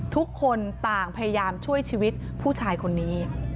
ทุกคนต่างพยายามช่วยชีวิตผู้ชายคนนี้